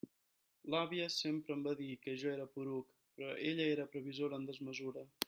L'àvia sempre em va dir que jo era poruc, però ella era previsora en desmesura.